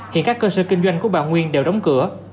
hiện các cơ sở kinh doanh của bà nguyên đều đóng cửa